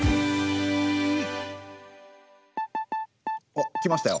おっ来ましたよ。